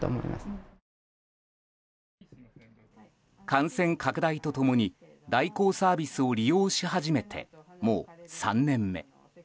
感染拡大とともに代行サービスを利用し始めてもう３年目。